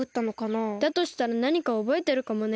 だとしたらなにかおぼえてるかもね。